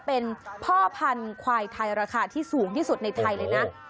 เป็นพ่อพันธุ์ควายไทยราคาที่สูงที่สุดในไทยเลยนะ